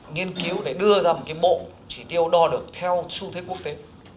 nghiên cứu để đưa ra một cái bộ chỉ tiêu đo được theo xu thế quốc tế